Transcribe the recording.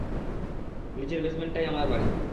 নিচের বেসমেন্টটাই আমার বাড়ি।